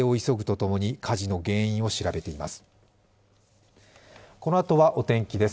このあとはお天気です。